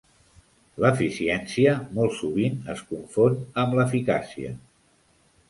L'eficiència molt sovint és confon amb l'eficàcia.